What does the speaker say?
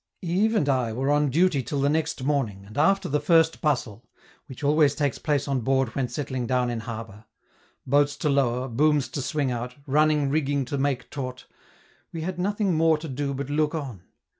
Yves and I were on duty till the next morning, and after the first bustle, which always takes place on board when settling down in harbor boats to lower, booms to swing out, running rigging to make taut we had nothing more to do but look on.